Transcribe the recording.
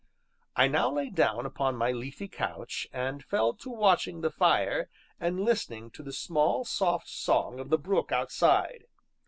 I now lay down upon my leafy couch, and fell to watching the fire and listening to the small, soft song of the brook outside.